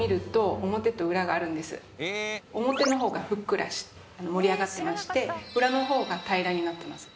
表の方がふっくら盛り上がってまして裏の方が平らになっています。